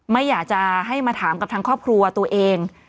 ไม่อยากจะให้มาถามกับทางครอบครัวตัวเอง